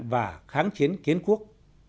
và kháng chiến kiến quốc